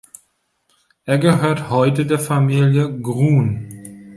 Er gehört heute der Familie "Gruhn".